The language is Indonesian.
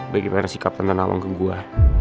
bagaimana sikap tenten awang ke gue